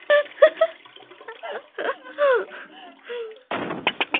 The senator was the responsible one for the implementation of the agency.